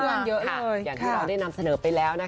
อย่างที่เราได้นำเสนอไปแล้วนะคะ